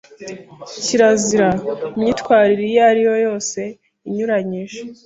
Kirazira: imyitwarire iyo ariyo yose inyuranyije